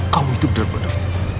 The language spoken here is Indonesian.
kamu itu bener bener